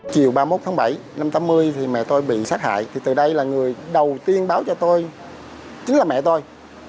chiều ba mươi một tháng bảy năm tám mươi thì mẹ tôi bị sát hại thì từ đây là người đầu tiên báo cho tôi chính là mẹ tôi